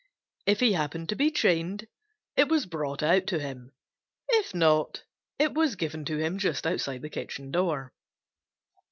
If he happened to be chained, it was brought out to him. If not, it was given to him just outside the kitchen door.